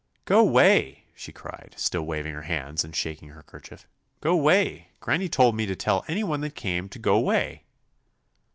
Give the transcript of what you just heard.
'Go 'way!' she cried, still waving her hands and shaking her kerchief. 'Go 'way! Granny told me to tell any one that came to go 'way!